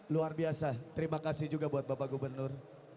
luar biasa terima kasih juga buat bapak gubernur